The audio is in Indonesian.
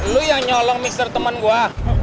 lo yang nyolong mixer temen gua